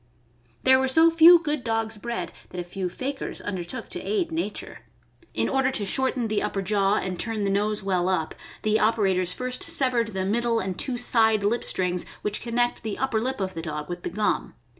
There were so few good dogs bred that a few fakirs undertook to aid nature. In order to shorten the upper jaw and turn the nose well up, the operators first severed the middle and two side lip strings which connect the upper lip of the dog with the gum.